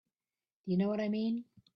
Do you know what I mean?